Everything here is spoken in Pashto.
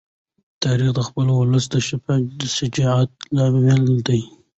تاریخ د خپل ولس د شجاعت لامل دی.